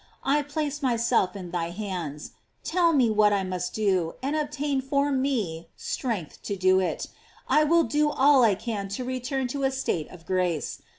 I place myself in thy hands; tell me what I must do, and obtain for me strength to do it, and I will do all I can to return to a state of grace.